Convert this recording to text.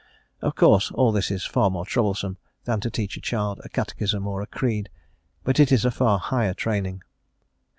Of course all this is far more troublesome than to teach a child a catechism or a creed, but it is a far higher training.